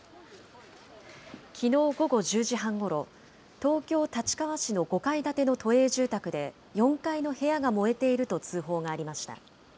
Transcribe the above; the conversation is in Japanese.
きのう午後１０時半ごろ、東京・立川市の５階建ての都営住宅で、４階の部屋が燃えていると通報がありました。